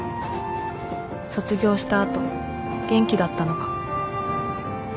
卒業した後元気だったのか